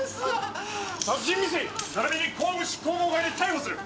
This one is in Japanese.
殺人未遂並びに公務執行妨害で逮捕する。